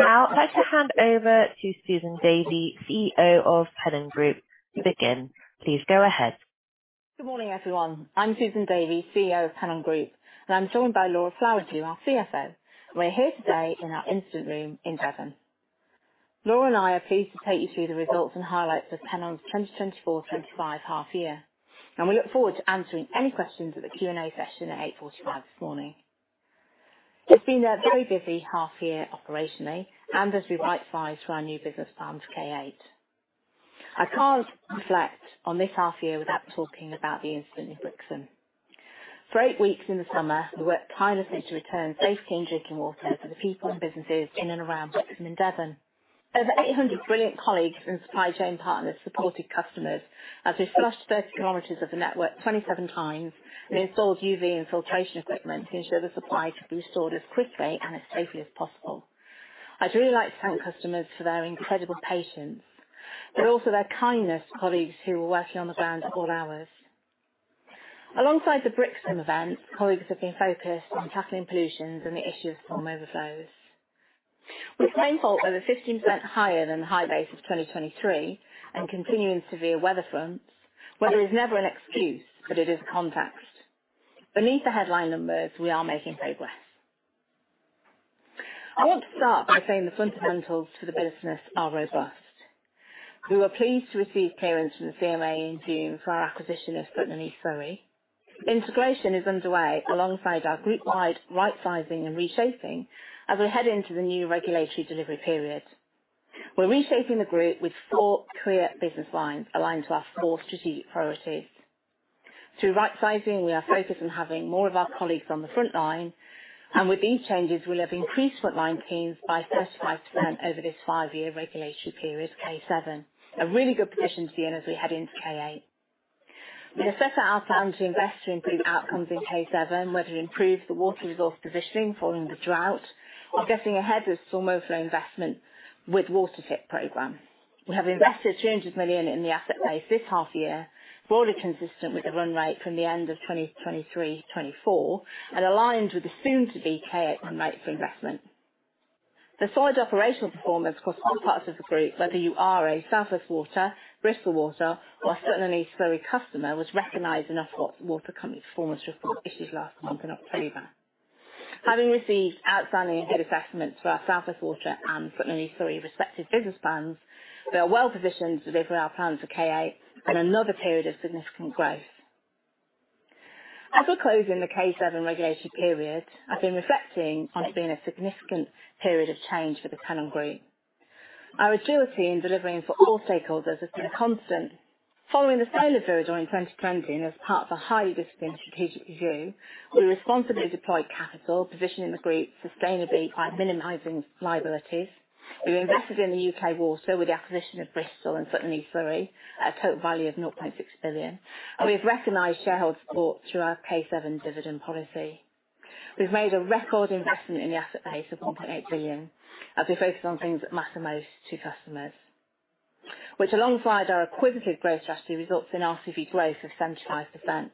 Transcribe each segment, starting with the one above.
Now, I'd like to hand over to Susan Davy, CEO of Pennon Group, to begin. Please go ahead. Good morning, everyone. I'm Susan Davy, CEO of Pennon Group, and I'm joined by Laura Flowerdew, our CFO. We're here today in our incident room in Devon. Laura and I are pleased to take you through the results and highlights of Pennon's 2024-25 half-year, and we look forward to answering any questions at the Q&A session at 8:45 A.M. this morning. It's been a very busy half-year operationally and as we right-size for our new business plan for K8. I can't reflect on this half-year without talking about the incident in Brixham. For eight weeks in the summer, we worked tirelessly to return safety and drinking water to the people and businesses in and around Brixham and Devon. Over 800 brilliant colleagues and supply chain partners supported customers as we flushed 30 km of the network 27 times and installed UV and filtration equipment to ensure the supply could be restored as quickly and as safely as possible. I'd really like to thank customers for their incredible patience, but also their kindness to colleagues who were working on the ground at all hours. Alongside the Brixham event, colleagues have been focused on tackling pollution and the issue of storm overflows. With rainfall over 15% higher than the high base of 2023 and continuing severe weather fronts, weather is never an excuse, but it is context. Beneath the headline numbers, we are making progress. I want to start by saying the fundamentals for the business are robust. We were pleased to receive clearance from the CMA in June for our acquisition of SES Water. Integration is underway alongside our group-wide right-sizing and reshaping as we head into the new regulatory delivery period. We're reshaping the group with four clear business lines aligned to our four strategic priorities. Through right-sizing, we are focused on having more of our colleagues on the front line, and with these changes, we'll have increased front-line teams by 35% over this five-year regulatory period, K7, a really good position to be in as we head into K8. We have set out our plan to invest to improve outcomes in K7, whether to improve the water resource positioning following the drought or getting ahead with storm overflow investment with the WaterFit program. We have invested 300 million in the asset base this half-year, broadly consistent with the run rate from the end of 2023-24 and aligned with the soon-to-be K8 run rate for investment. The solid operational performance across all parts of the group, whether you are a South West Water, Bristol Water, or a Sutton and East Surrey customer, was recognized in our Water Company Performance Report issued last month in October. Having received outstanding good assessments for our South West Water and Sutton and East Surrey respective business plans, we are well-positioned to deliver our plans for K8 and another period of significant growth. As we're closing the K7 regulatory period, I've been reflecting on it being a significant period of change for the Pennon Group. Our agility in delivering for all stakeholders has been constant. Following the COVID-19 pandemic in 2020, as part of a highly disciplined strategic review, we responsibly deployed capital, positioning the group sustainably by minimizing liabilities. We've invested in the U.K. water with the acquisition of Bristol Water and SES Water at a total value of 0.6 billion, and we've recognized shareholder support through our K7 dividend policy. We've made a record investment in the asset base of 1.8 billion as we focus on things that matter most to customers, which alongside our acquisitive growth strategy results in RCV growth of 75%.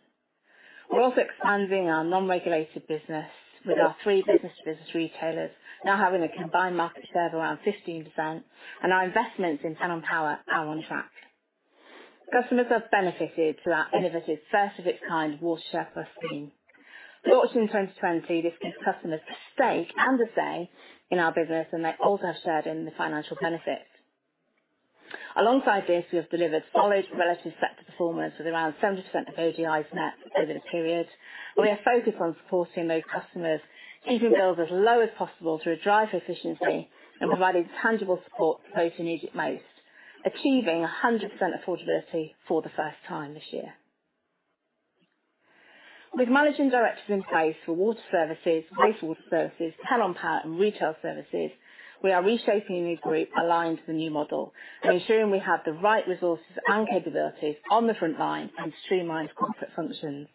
We're also expanding our non-regulated business with our three business-to-business retailers, now having a combined market share of around 15%, and our investments in Pennon Power are on track. Customers have benefited through our innovative, first-of-its-kind WaterShare+ scheme. Launched in 2020, this gives customers the stake and the say in our business, and they also have shared in the financial benefits. Alongside this, we have delivered solid relative sector performance with around 70% of ODIs met over the period, and we are focused on supporting those customers to keep them billed as low as possible through a drive for efficiency and providing tangible support to those who need it most, achieving 100% affordability for the first time this year. With managing directors in place for water services, wastewater services, Pennon Power, and retail services, we are reshaping the group aligned to the new model and ensuring we have the right resources and capabilities on the front line and streamlined corporate functions.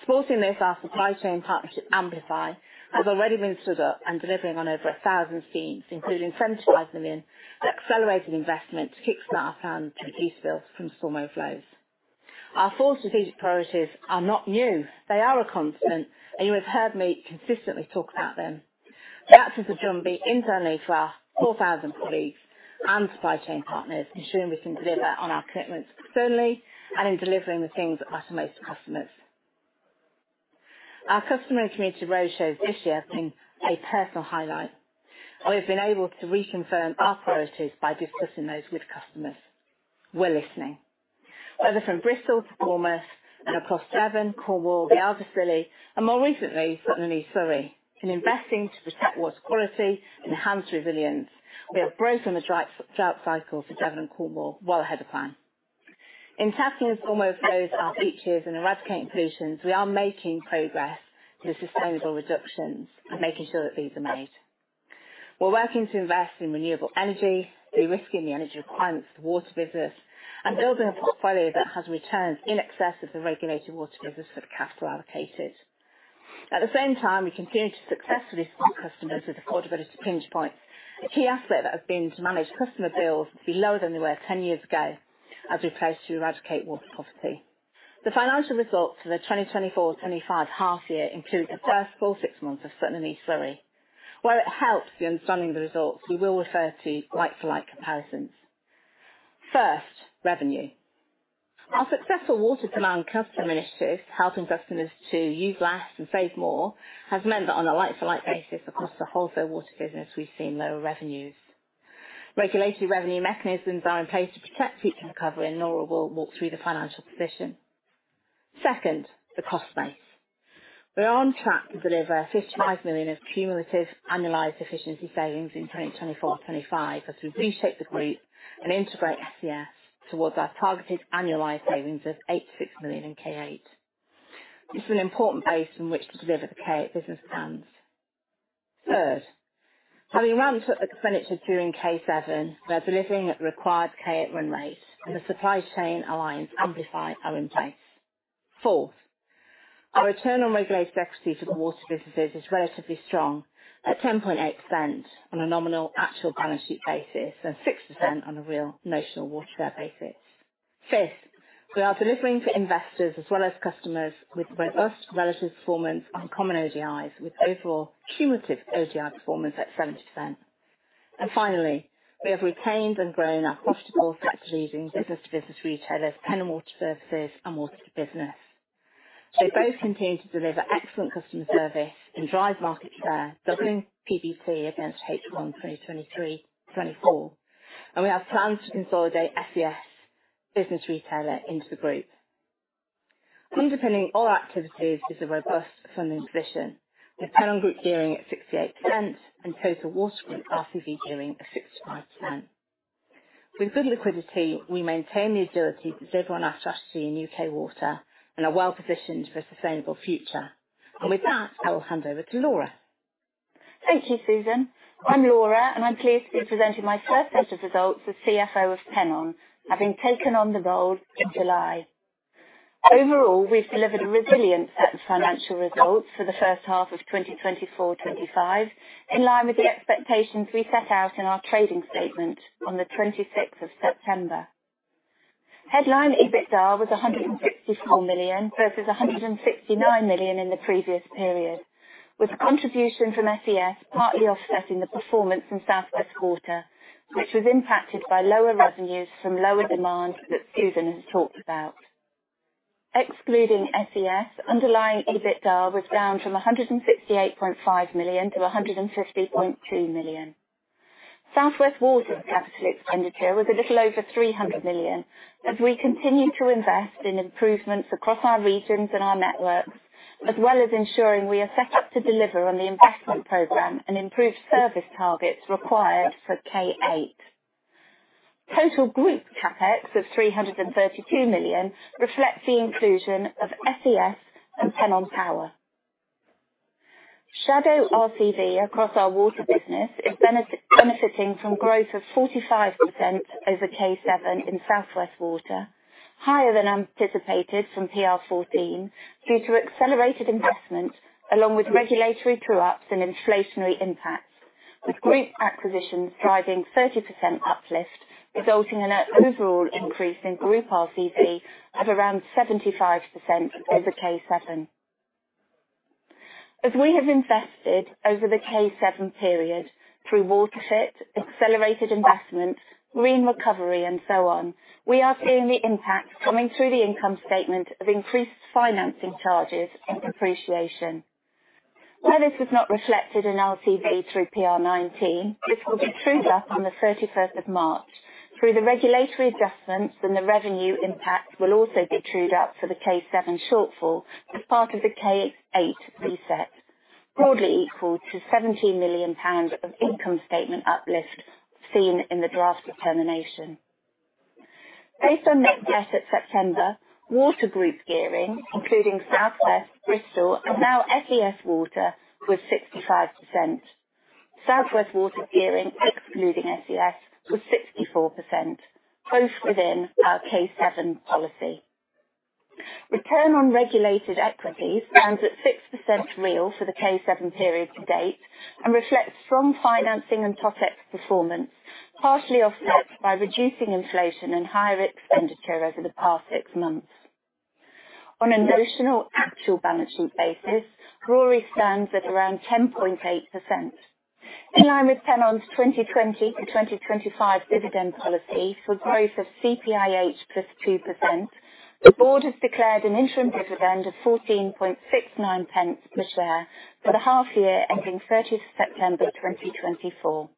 Supporting this, our supply chain partnership, Amplify, has already been stood up and delivering on over 1,000 schemes, including 75 million accelerated investment to kickstart our plan to reduce bills from storm overflows. Our four strategic priorities are not new. They are a constant, and you have heard me consistently talk about them. We act as a drumbeat internally for our 4,000 colleagues and supply chain partners, ensuring we can deliver on our commitments externally and in delivering the things that matter most to customers. Our customer and community roadshows this year have been a personal highlight. We have been able to reconfirm our priorities by discussing those with customers. We're listening. Whether from Bristol to Bournemouth and across Devon, Cornwall, Isles of Scilly, and more recently, Sutton and East Surrey, in investing to protect water quality and enhance resilience, we have broken the drought cycle for Devon and Cornwall well ahead of plan. In tackling storm overflows, our beaches and eradicating pollution, we are making progress with sustainable reductions and making sure that these are made. We're working to invest in renewable energy, de-risking the energy requirements of the water business, and building a portfolio that has returns in excess of the regulated water business for the capital allocated. At the same time, we continue to successfully support customers with affordability pinch points, a key aspect that has been to manage customer bills to be lower than they were 10 years ago as we pledge to eradicate water poverty. The financial results for the 2024-25 half-year include the first full six months of SES Water. While it helps the understanding of the results, we will refer to like-for-like comparisons. First, revenue. Our successful water demand customer initiative, helping customers to use less and save more, has meant that on a like-for-like basis across the whole of the water business, we've seen lower revenues. Regulatory revenue mechanisms are in place to protect future recovery, and Laura will walk through the financial position. Second, the cost base. We are on track to deliver 55 million of cumulative annualized efficiency savings in 2024-25 as we reshape the group and integrate SES towards our targeted annualized savings of 8 million to 6 million in K8. This is an important base from which to deliver the K8 business plans. Third, having ramped up the expenditure during K7, we are delivering at the required K8 run rate, and the supply chain aligned to Amplify are in place. Fourth, our return on regulated equity for the water businesses is relatively strong, at 10.8% on a nominal actual balance sheet basis and 6% on a real notional water share basis. Fifth, we are delivering to investors as well as customers with robust relative performance on common ODIs, with overall cumulative ODI performance at 70%. And finally, we have retained and grown our profitable sector-leading business-to-business retailers, Pennon Water Services, and water2business. They both continue to deliver excellent customer service and drive market share, doubling PBT against H1 2023-24, and we have plans to consolidate SES Business Water into the group. Underpinning all activities is a robust funding position, with Pennon Group gearing at 68% and Total Water Group RCV gearing at 65%. With good liquidity, we maintain the agility to deliver on our strategy in U.K. water and are well-positioned for a sustainable future. And with that, I will hand over to Laura. Thank you, Susan. I'm Laura, and I'm pleased to be presenting my first set of results as CFO of Pennon, having taken on the role in July. Overall, we've delivered resilient financial results for the first half of 2024-25, in line with the expectations we set out in our trading statement on the 26th of September. Headline EBITDA was 164 million versus 169 million in the previous period, with contribution from SES partly offsetting the performance in South West Water, which was impacted by lower revenues from lower demand that Susan has talked about. Excluding SES, underlying EBITDA was down from 168.5 million to 150.2 million. South West Water's capital expenditure was a little over 300 million, as we continue to invest in improvements across our regions and our networks, as well as ensuring we are set up to deliver on the investment program and improved service targets required for K8. Total group CapEx of 332 million reflects the inclusion of SES and Pennon Power. Shadow RCV across our water business is benefiting from growth of 45% over K7 in South West Water, higher than anticipated from PR14 due to accelerated investment along with regulatory true-ups and inflationary impacts, with group acquisitions driving 30% uplift, resulting in an overall increase in group RCV of around 75% over K7. As we have invested over the K7 period through WaterFit, accelerated investment, Green Recovery, and so on, we are seeing the impact coming through the income statement of increased financing charges and depreciation. While this was not reflected in RCV through PR19, this will be trued up on the 31st of March. Through the regulatory adjustments, the revenue impact will also be trued up for the K7 shortfall as part of the K8 reset, broadly equal to GBP 17 million of income statement uplift seen in the Draft Determination. Based on net debt at September, Water Group gearing, including South West Water, Bristol Water, and now SES Water, was 65%. South West Water gearing, excluding SES, was 64%, both within our K7 policy. Return on regulated equities stands at 6% real for the K7 period to date and reflects strong financing and Totex performance, partially offset by reducing inflation and higher expenditure over the past six months. On a notional actual balance sheet basis, RoRE stands at around 10.8%. In line with Pennon's 2020-2025 dividend policy for growth of CPIH plus 2%, the board has declared an interim dividend of 0.1469 per share for the half-year ending 30 September 2024.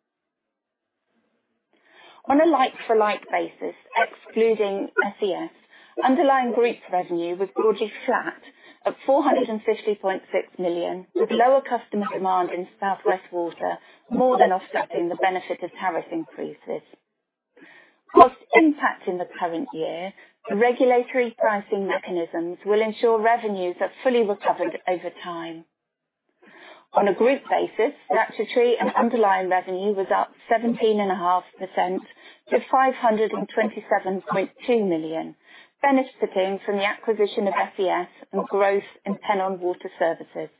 On a like-for-like basis, excluding SES, underlying group revenue was broadly flat at 450.6 million, with lower customer demand in South West Water more than offsetting the benefit of tariff increases. Post-impact in the current year, regulatory pricing mechanisms will ensure revenues are fully recovered over time. On a group basis, statutory and underlying revenue was up 17.5% to 527.2 million, benefiting from the acquisition of SES and growth in Pennon Water Services.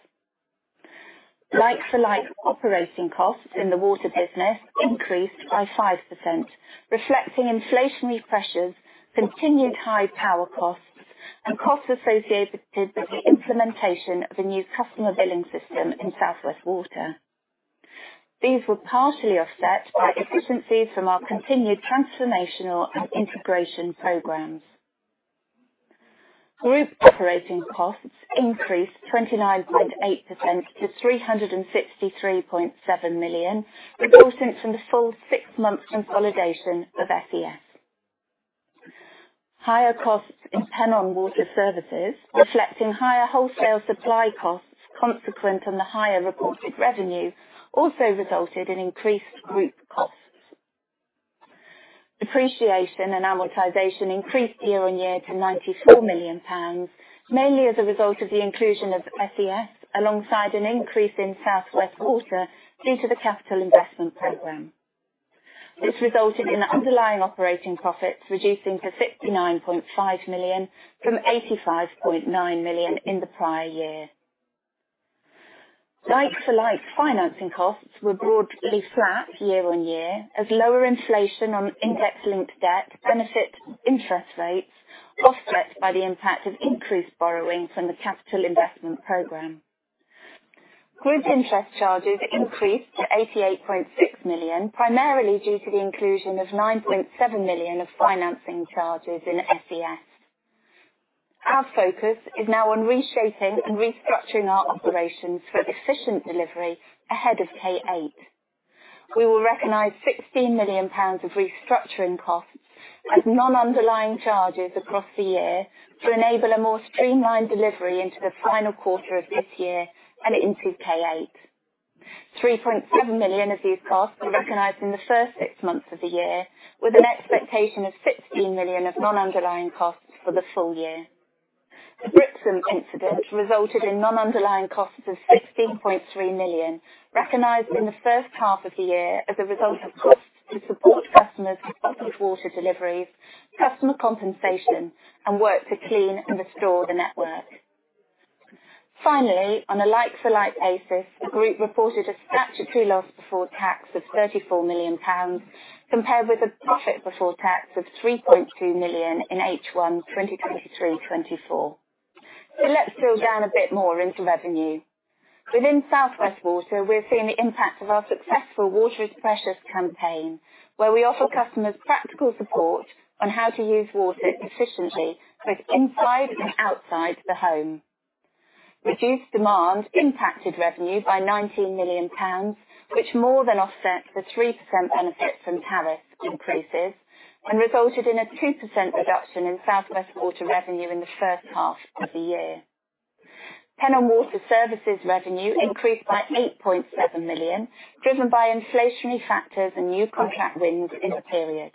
Like-for-like operating costs in the water business increased by 5%, reflecting inflationary pressures, continued high power costs, and costs associated with the implementation of a new customer billing system in South West Water. These were partially offset by efficiencies from our continued transformational and integration programs. Group operating costs increased 29.8% to 363.7 million, resulting from the full six-month consolidation of SES. Higher costs in Pennon Water Services, reflecting higher wholesale supply costs consequent on the higher reported revenue, also resulted in increased group costs. Depreciation and amortization increased year-on-year to 94 million pounds, mainly as a result of the inclusion of SES alongside an increase in South West Water due to the capital investment program. This resulted in underlying operating profits reducing to 59.5 million from 85.9 million in the prior year. Like-for-like financing costs were broadly flat year-on-year, as lower inflation on index-linked debt benefits interest rates, offset by the impact of increased borrowing from the capital investment program. Group interest charges increased to 88.6 million, primarily due to the inclusion of 9.7 million of financing charges in SES. Our focus is now on reshaping and restructuring our operations for efficient delivery ahead of K8. We will recognize 16 million pounds of restructuring costs as non-underlying charges across the year to enable a more streamlined delivery into the final quarter of this year and into K8. 3.7 million of these costs were recognized in the first six months of the year, with an expectation of 16 million of non-underlying costs for the full year. The Brixham incident resulted in non-underlying costs of 16.3 million, recognized in the first half of the year as a result of costs to support customers' bottled water deliveries, customer compensation, and work to clean and restore the network. Finally, on a like-for-like basis, the group reported a statutory loss before tax of GBP 34 million, compared with a profit before tax of GBP 3.2 million in H1 2023-24. So let's drill down a bit more into revenue. Within South West Water, we're seeing the impact of our successful Water is Precious campaign, where we offer customers practical support on how to use water efficiently, both inside and outside the home. Reduced demand impacted revenue by 19 million pounds, which more than offset the 3% benefit from tariff increases and resulted in a 2% reduction in South West Water revenue in the first half of the year. Pennon Water Services revenue increased by 8.7 million, driven by inflationary factors and new contract wins in the period.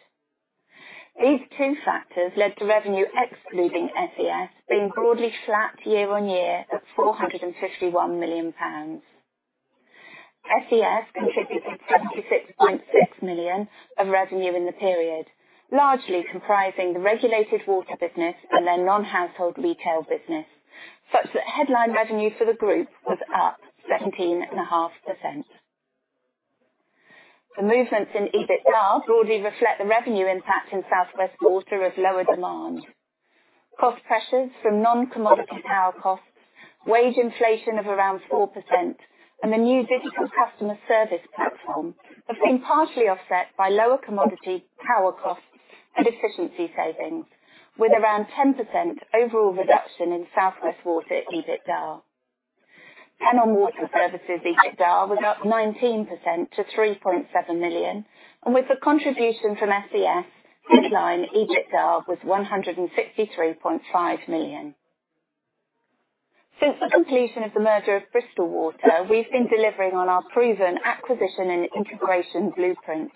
These two factors led to revenue excluding SES being broadly flat year-on-year at 451 million pounds. SES contributed 76.6 million of revenue in the period, largely comprising the regulated water business and their non-household retail business, such that headline revenue for the group was up 17.5%. The movements in EBITDA broadly reflect the revenue impact in South West Water of lower demand. Cost pressures from non-commodity power costs, wage inflation of around 4%, and the new digital customer service platform have been partially offset by lower commodity power costs and efficiency savings, with around 10% overall reduction in South West Water EBITDA. Pennon Water Services EBITDA was up 19% to 3.7 million, and with the contribution from SES, headline EBITDA was 163.5 million. Since the completion of the merger of Bristol Water, we've been delivering on our proven acquisition and integration blueprint.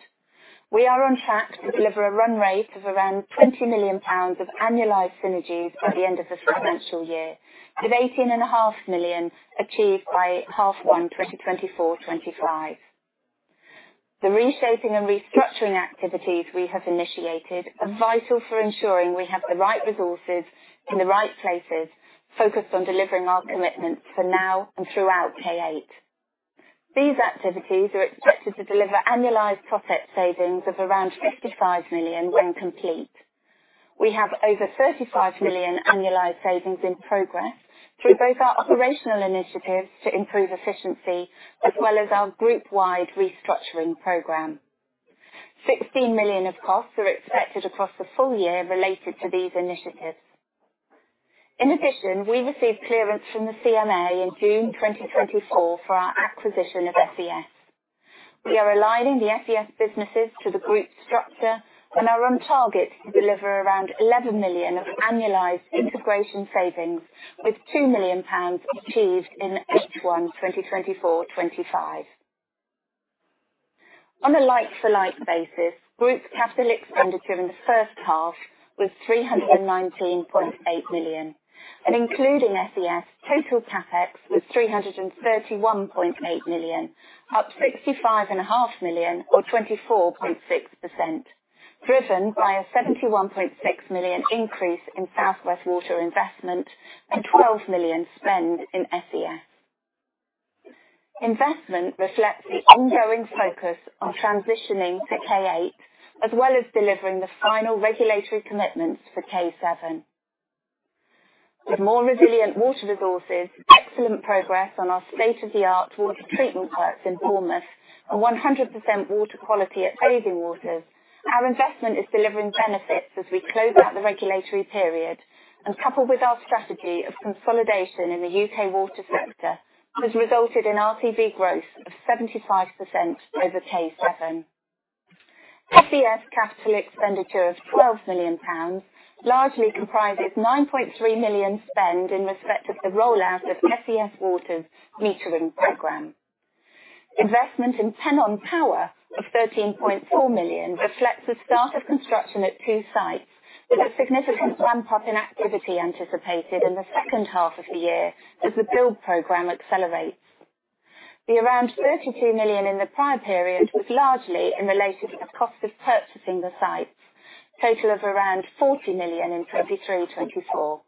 We are on track to deliver a run rate of around 20 million pounds of annualized synergies by the end of the financial year, with 18.5 million achieved by half-one 2024-25. The reshaping and restructuring activities we have initiated are vital for ensuring we have the right resources in the right places, focused on delivering our commitments for now and throughout K8. These activities are expected to deliver annualized Totex savings of around 55 million when complete. We have over 35 million annualized savings in progress through both our operational initiatives to improve efficiency as well as our group-wide restructuring program. 16 million of costs are expected across the full year related to these initiatives. In addition, we received clearance from the CMA in June 2024 for our acquisition of SES. We are aligning the SES businesses to the group structure and are on target to deliver around 11 million of annualized integration savings, with 2 million pounds achieved in H1 2024-25. On a like-for-like basis, group capital expenditure in the first half was 319.8 million, and including SES, total capex was 331.8 million, up 65.5 million or 24.6%, driven by a 71.6 million increase in South West Water investment and 12 million spend in SES. Investment reflects the ongoing focus on transitioning to K8, as well as delivering the final regulatory commitments for K7. With more resilient water resources, excellent progress on our state-of-the-art water treatment works in Bournemouth, and 100% water quality at bathing waters, our investment is delivering benefits as we close out the regulatory period, and coupled with our strategy of consolidation in the U.K. water sector, has resulted in RCV growth of 75% over K7. SES capital expenditure of 12 million largely comprises GBP 9.3 million spend in respect of the rollout of SES Water's metering program. Investment in Pennon Power of 13.4 million reflects the start of construction at two sites, with a significant ramp-up in activity anticipated in the second half of the year as the build program accelerates. The around 32 million in the prior period was largely in relation to the cost of purchasing the sites, total of around 40 million in 2023-2024.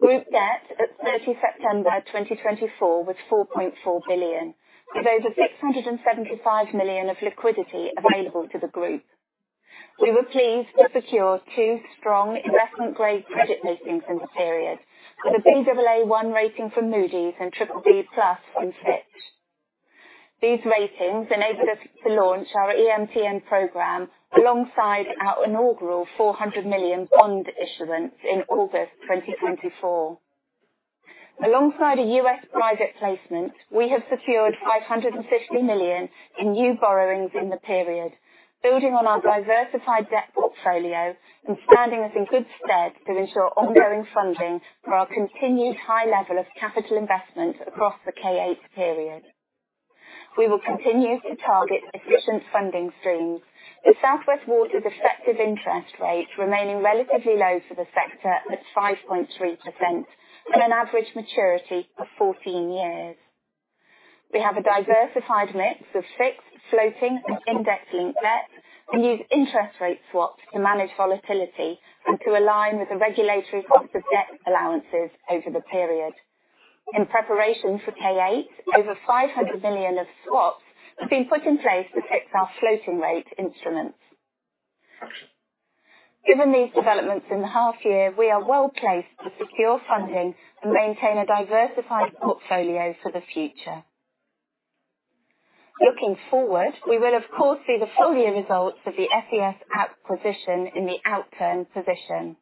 Group debt at 30 September 2024 was 4.4 billion, with over 675 million of liquidity available to the group. We were pleased to secure two strong investment-grade credit ratings in the period, with a Baa1 rating from Moody's and BBB+ from Fitch. These ratings enabled us to launch our EMTN program alongside our inaugural 400 million bond issuance in August 2024. Alongside a U.S. private placement, we have secured 550 million in new borrowings in the period, building on our diversified debt portfolio and standing us in good stead to ensure ongoing funding for our continued high level of capital investment across the K8 period. We will continue to target efficient funding streams, with South West Water's effective interest rate remaining relatively low for the sector at 5.3% and an average maturity of 14 years. We have a diversified mix of fixed, floating, and index-linked debt and use interest rate swaps to manage volatility and to align with the regulatory cost of debt allowances over the period. In preparation for K8, over 500 million of swaps have been put in place to fix our floating rate instruments. Given these developments in the half-year, we are well placed to secure funding and maintain a diversified portfolio for the future. Looking forward, we will, of course, see the full year results of the SES acquisition in the outturn position.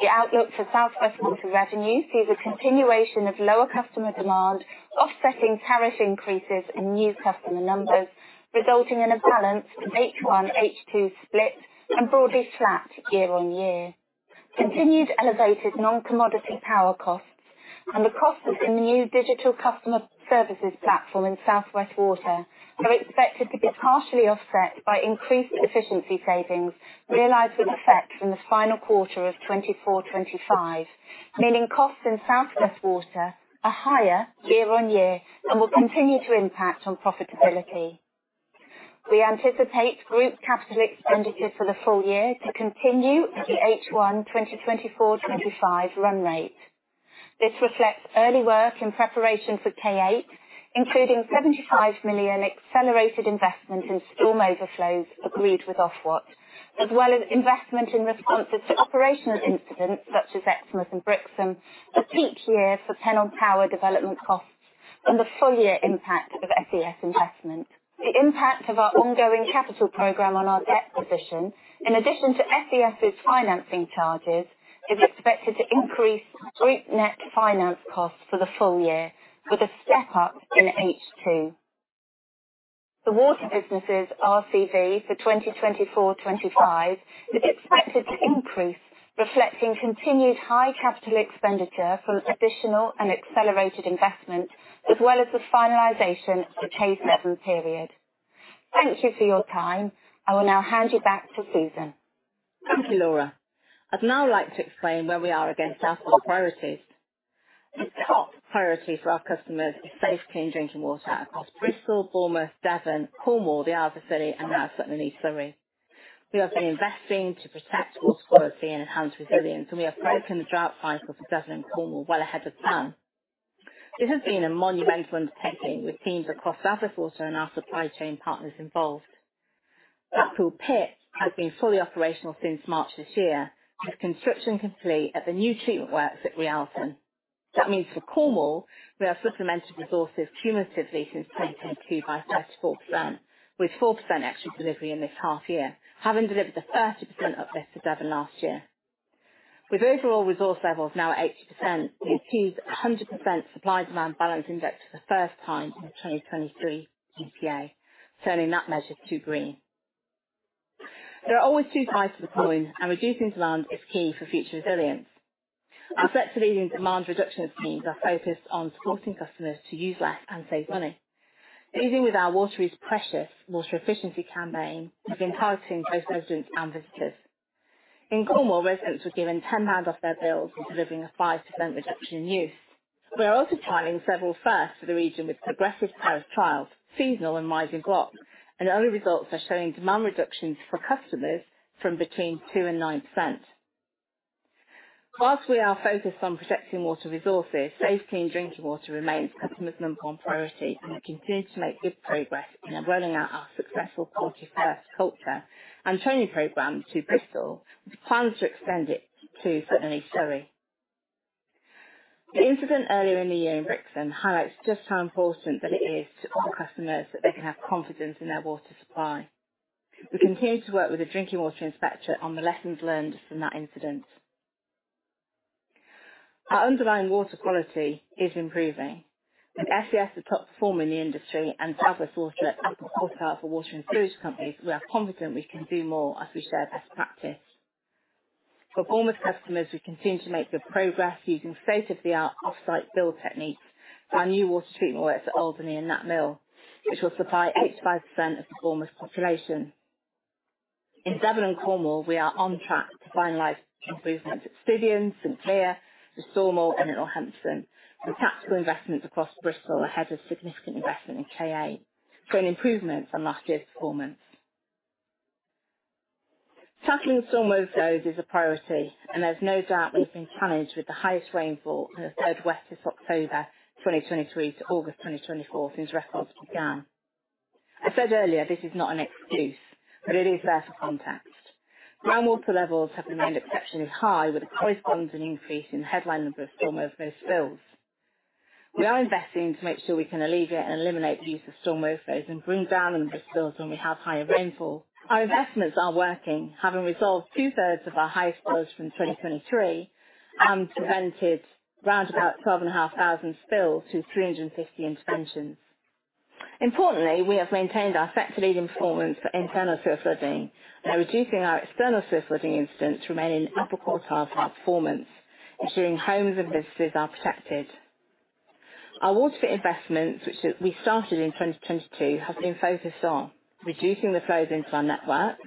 The outlook for South West Water revenue sees a continuation of lower customer demand, offsetting tariff increases and new customer numbers, resulting in a balanced H1-H2 split and broadly flat year-on-year. Continued elevated non-commodity power costs and the costs in the new digital customer services platform in South West Water are expected to be partially offset by increased efficiency savings realized with effect from the final quarter of 2024-25, meaning costs in South West Water are higher year-on-year and will continue to impact on profitability. We anticipate group capital expenditure for the full year to continue at the H1 2024-25 run rate. This reflects early work in preparation for K8, including 75 million accelerated investment in storm overflows agreed with Ofwat, as well as investment in responses to operational incidents such as Exmouth and Brixham, a peak year for Pennon Power development costs, and the full year impact of SES investment. The impact of our ongoing capital program on our debt position, in addition to SES's financing charges, is expected to increase group net finance costs for the full year, with a step up in H2. The water businesses RCV for 2024-25 is expected to increase, reflecting continued high capital expenditure from additional and accelerated investment, as well as the finalization of the K7 period. Thank you for your time. I will now hand you back to Susan. Thank you, Laura. I'd now like to explain where we are against our four priorities. The top priority for our customers is safe, clean drinking water across Bristol, Bournemouth, Devon, Cornwall, the Isles of Scilly, and now Sutton and East Surrey. We have been investing to protect water quality and enhance resilience, and we have broken the drought cycle for Devon and Cornwall well ahead of time. This has been a monumental undertaking with teams across South West Water and our supply chain partners involved. Blackpool Pit has been fully operational since March this year, with construction complete at the new treatment works at Rialton. That means for Cornwall, we have supplemented resources cumulatively since 2022 by 34%, with 4% extra delivery in this half year, having delivered the 30% uplift to Devon last year. With overall resource levels now at 80%, we achieved a 100% supply-demand balance index for the first time in the 2023 EPA, turning that measure to green. There are always two sides to the coin, and reducing demand is key for future resilience. Our flexible leading demand reduction schemes are focused on supporting customers to use less and save money. Leading with our Water is Precious water efficiency campaign, we've been targeting both residents and visitors. In Cornwall, residents were given 10 pounds off their bills and delivering a 5% reduction in use. We are also filing several firsts for the region with progressive tariff trials, seasonal and rising blocks, and early results are showing demand reductions for customers from between 2% and 9%. Whilst we are focused on protecting water resources, safety in drinking water remains customers' number one priority, and we continue to make good progress in rolling out our successful Quality First culture and training program to Bristol, with plans to extend it to SES Water. The incident earlier in the year in Brixham highlights just how important that it is to all customers that they can have confidence in their water supply. We continue to work with the Drinking Water Inspectorate on the lessons learned from that incident. Our underlying water quality is improving. With SES the top performer in the industry and South West Water at upper quartile for water and wastewater companies, we are confident we can do more as we share best practice. For Bournemouth customers, we continue to make good progress using state-of-the-art off-site build techniques for our new water treatment works at Alderney and Knapp Mill, which will supply 85% of the Bournemouth population. In Devon and Cornwall, we are on track to finalize improvements at Stithians, St Cleer, the Restormel, and in Littlehempston, with tactical investments across Bristol ahead of significant investment in K8, showing improvements on last year's performance. Tackling storm overflows is a priority, and there's no doubt we've been challenged with the highest rainfall in the third wettest October 2023 to August 2024 since records began. I said earlier this is not an excuse, but it is there for context. Groundwater levels have remained exceptionally high, with a corresponding increase in the headline number of storm overflows. We are investing to make sure we can alleviate and eliminate the use of storm overflows and bring down the number of spills when we have higher rainfall. Our investments are working, having resolved two-thirds of our highest flows from 2023 and prevented round about 12,500 spills through 350 interventions. Importantly, we have maintained our sector-leading performance for internal sewer flooding, by reducing our external sewer flooding incidents, remaining upper quartile for our performance, ensuring homes and businesses are protected. Our WaterFit investments, which we started in 2022, have been focused on reducing the flows into our network,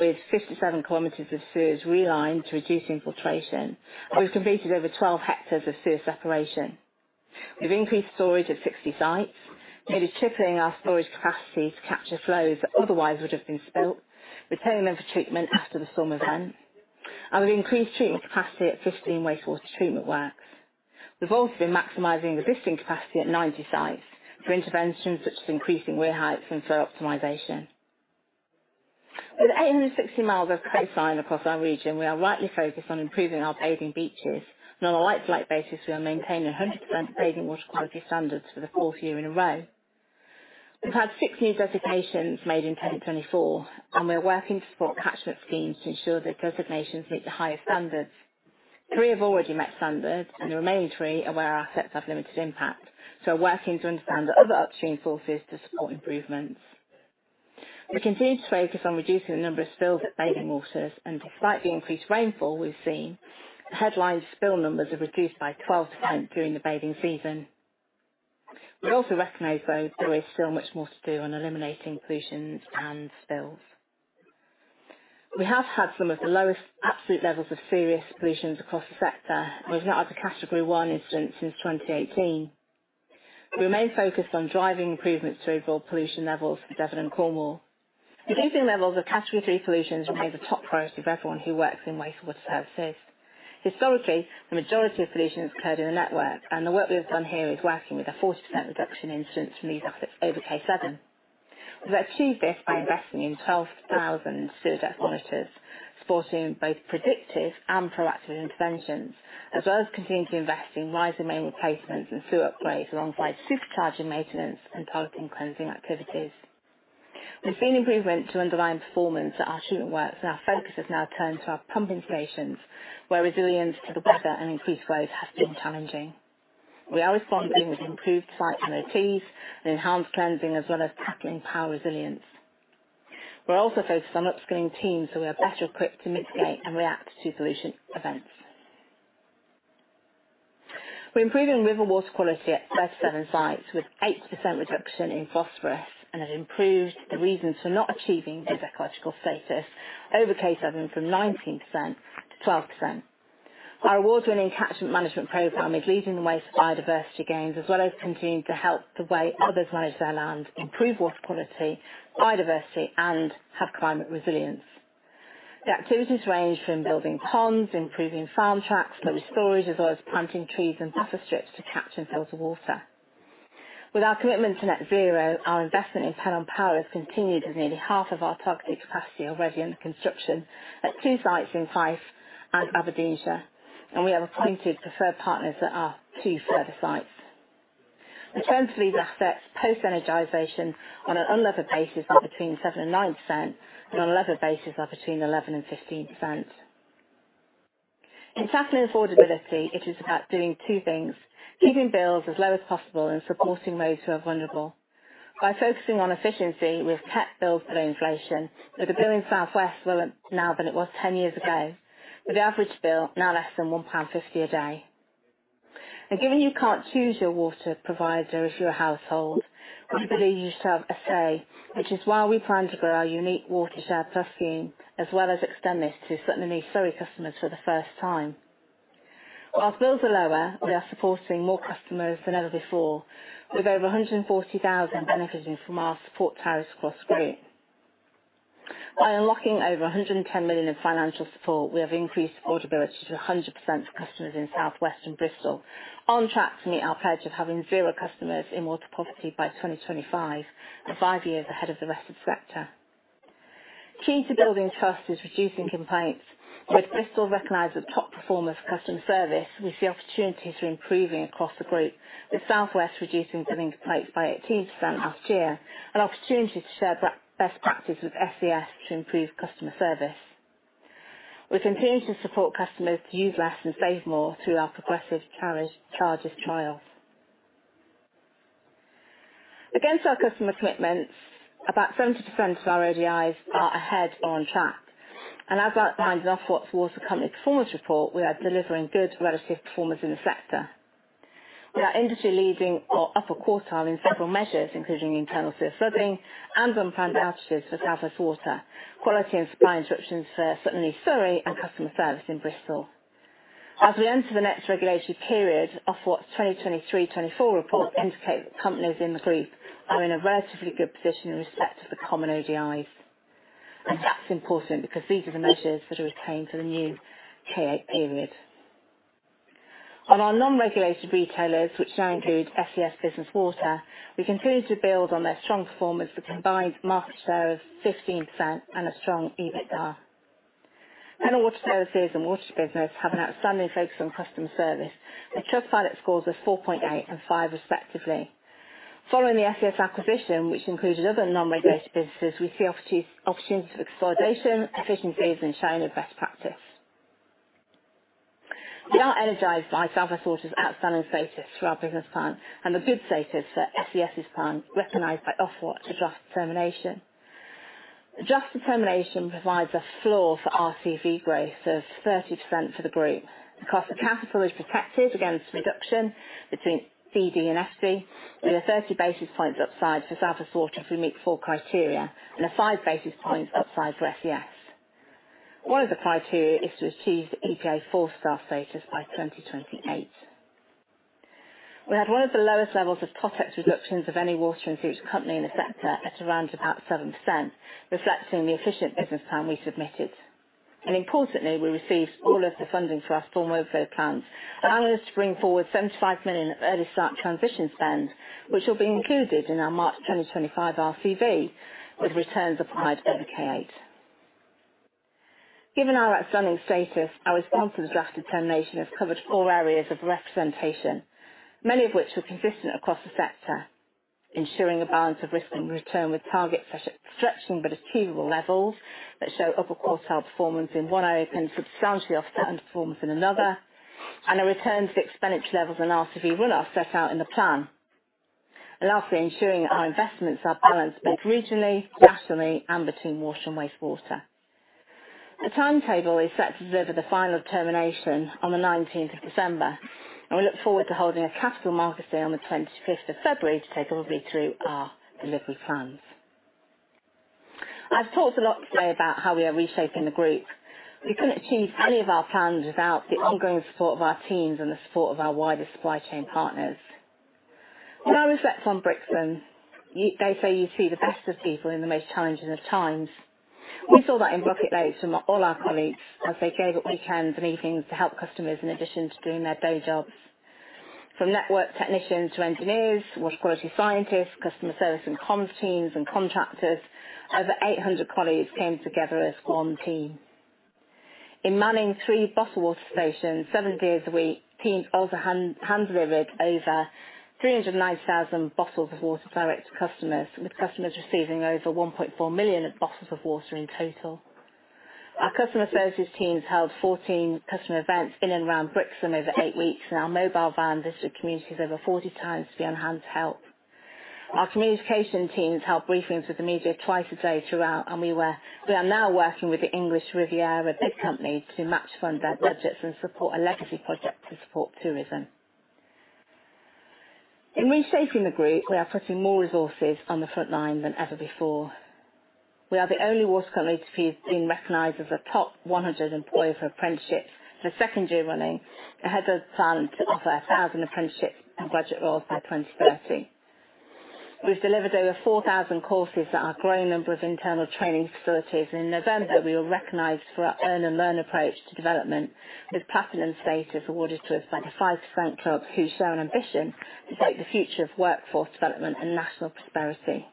with 57 km of sewers relined to reduce infiltration, and we've completed over 12 hectares of sewer separation. We've increased storage at 60 sites, nearly tripling our storage capacity to capture flows that otherwise would have been spilled, retaining them for treatment after the storm event, and we've increased treatment capacity at 15 wastewater treatment works. We've also been maximizing existing capacity at 90 sites for interventions such as increasing weir heights and flow optimization. With 860 miles of coastline across our region, we are rightly focused on improving our bathing beaches, and on a like-for-like basis, we are maintaining 100% bathing water quality standards for the fourth year in a row. We've had six new designations made in 2024, and we are working to support catchment schemes to ensure the designations meet the highest standards. Three have already met standards, and the remaining three are where our assets have limited impact, so we're working to understand other upstream forces to support improvements. We continue to focus on reducing the number of spills at bathing waters, and despite the increased rainfall we've seen, headline spill numbers are reduced by 12% during the bathing season. We also recognize, though, that there is still much more to do on eliminating pollutions and spills. We have had some of the lowest absolute levels of serious pollutions across the sector, and we've not had a Category 1 incident since 2018. We remain focused on driving improvements to overall pollution levels for Devon and Cornwall. Reducing levels of Category 3 pollutions remains a top priority for everyone who works in wastewater services. Historically, the majority of pollution has occurred in the network, and the work we have done here is working with a 40% reduction in incidents from these assets over K7. We've achieved this by investing in 12,000 sewer depth monitors, supporting both predictive and proactive interventions, as well as continuing to invest in rising main replacements and sewer upgrades, alongside supercharging maintenance and targeting cleansing activities. We've seen improvement to underlying performance at our treatment works, and our focus has now turned to our pumping stations, where resilience to the weather and increased flows has been challenging. We are responding with improved site MOTs and enhanced cleansing, as well as tackling power resilience. We're also focused on upskilling teams so we are better equipped to mitigate and react to pollution events. We're improving river water quality at 37 sites with 8% reduction in phosphorus, and it improved the reasons for not achieving good ecological status over K7 from 19% to 12%. Our award-winning catchment management program is leading the way to biodiversity gains, as well as continuing to help the way others manage their land, improve water quality, biodiversity, and have climate resilience. The activities range from building ponds, improving farm tracks, flow storage, as well as planting trees and buffer strips to capturing sales of water. With our commitment to net zero, our investment in Pennon Power has continued with nearly half of our targeted capacity already under construction at two sites in Fife and Aberdeenshire, and we have appointed preferred partners at our two further sites. Returns for these assets post-energization on an unlevered basis are between 7% and 9%, and on a levered basis are between 11% and 15%. In tackling affordability, it is about doing two things: keeping bills as low as possible and supporting those who are vulnerable. By focusing on efficiency, we have kept bills below inflation, with the bill in South West lower now than it was 10 years ago, with the average bill now less than 1.50 pound a day. Given you can't choose your water provider if you're a household, we believe you should have a say, which is why we plan to grow our unique WaterShare+ scheme, as well as extend this to SES Water customers for the first time. While bills are lower, we are supporting more customers than ever before, with over 140,000 benefiting from our support tariffs across the group. By unlocking over 110 million in financial support, we have increased affordability to 100% for customers in South West and Bristol, on track to meet our pledge of having zero customers in water poverty by 2025, and five years ahead of the rest of the sector. Key to building trust is reducing complaints. With Bristol recognized as a top performer for customer service, we see opportunities for improving across the group, with South West reducing billing complaints by 18% last year, and opportunities to share best practice with SES to improve customer service. We continue to support customers to use less and save more through our progressive charges trials. Against our customer commitments, about 70% of our ODIs are ahead or on track, and as outlined in Ofwat's Water Company Performance Report, we are delivering good relative performance in the sector. We are industry-leading or upper quartile in several measures, including internal sewer flooding and unplanned outages for South West Water, quality and supply interruptions for SES Water and customer service in Bristol. As we enter the next regulatory period, Ofwat's 2023-24 report indicates that companies in the group are in a relatively good position in respect of the common ODIs, and that's important because these are the measures that are retained for the new K8 period. On our non-regulated retailers, which now include SES Business Water, we continue to build on their strong performance with a combined market share of 15% and a strong EBITDA. Pennon Water Services and water2business have an outstanding focus on customer service, with Trustpilot scores of 4.8 and 5 respectively. Following the SES acquisition, which included other non-regulated businesses, we see opportunities for consolidation, efficiencies, and sharing of best practice. We are energized by South West Water's outstanding status through our business plan and the good status that SES's plan recognized by Ofwat for draft determination. Draft Determination provides a floor for RCV growth of 30% for the group. The cost of capital is protected against reduction between CD and FD, with a 30 basis points upside for South West Water if we meet four criteria, and a five basis points upside for SES. One of the criteria is to achieve the EPA four-star status by 2028. We had one of the lowest levels of Totex reductions of any water and sewage company in the sector at around about 7%, reflecting the efficient business plan we submitted. And importantly, we received all of the funding for our storm overflow plans, allowing us to bring forward 75 million of early start transition spend, which will be included in our March 2025 RCV, with returns applied over K8. Given our outstanding status, our response to the Draft Determination has covered four areas of representation, many of which were consistent across the sector, ensuring a balance of risk and return with target stretching but achievable levels that show upper quartile performance in one area can substantially offset underperformance in another, and a return to the expenditure levels and RCV runoff set out in the plan. And lastly, ensuring our investments are balanced both regionally, nationally, and between water and wastewater. The timetable is set to deliver the Final Determination on the 19th of December, and we look forward to holding a Capital Markets Day on the 25th of February to take everybody through our delivery plans. I've talked a lot today about how we are reshaping the group. We couldn't achieve any of our plans without the ongoing support of our teams and the support of our wider supply chain partners. With our reflection on Brixham, they say you see the best of people in the most challenging of times. We saw that in Brixham from all our colleagues as they gave up weekends and evenings to help customers in addition to doing their day jobs. From network technicians to engineers, water quality scientists, customer service and comms teams, and contractors, over 800 colleagues came together as one team. In manning three bottle water stations seven days a week, teams also hand-delivered over 390,000 bottles of water direct to customers, with customers receiving over 1.4 million bottles of water in total. Our customer services teams held 14 customer events in and around Brixham over eight weeks, and our mobile van visited communities over 40 times to be on hand to help. Our communication teams held briefings with the media twice a day throughout, and we are now working with the English Riviera BID Company to match fund their budgets and support a legacy project to support tourism. In reshaping the group, we are putting more resources on the front line than ever before. We are the only water company to be recognized as a top 100 employer for apprenticeships. The second year running, ahead of the plan to offer 1,000 apprenticeships and budgeted roles by 2030. We've delivered over 4,000 courses at our growing number of internal training facilities, and in November, we were recognized for our earn-and-learn approach to development, with Platinum status awarded to us by The 5% Club, who share an ambition to take the future of workforce development and national prosperity.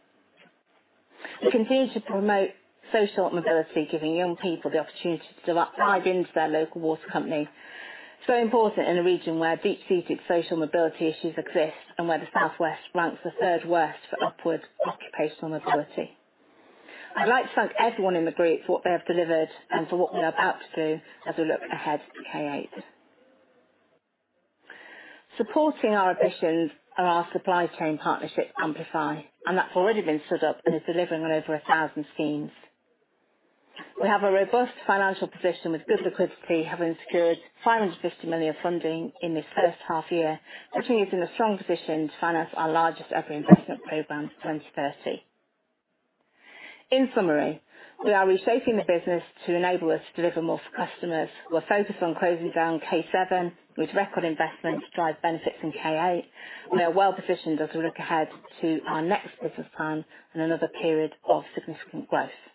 We continue to promote social mobility, giving young people the opportunity to drive into their local water company. It's very important in a region where deep-seated social mobility issues exist and where the South West ranks the third worst for upward occupational mobility. I'd like to thank everyone in the group for what they have delivered and for what we are about to do as we look ahead to K8. Supporting our ambitions are our supply chain partnership, Amplify, and that's already been stood up and is delivering on over 1,000 schemes. We have a robust financial position with good liquidity, having secured 550 million of funding in this first half year, putting us in a strong position to finance our largest ever investment program for 2030. In summary, we are reshaping the business to enable us to deliver more for customers. We're focused on closing down K7, which record investments drive benefits in K8. We are well positioned as we look ahead to our next business plan and another period of significant growth.